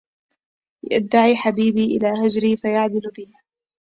يدعي حبيبي إلى هجري فيعدل بي